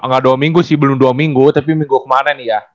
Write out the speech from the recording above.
nggak dua minggu sih belum dua minggu tapi minggu kemana nih ya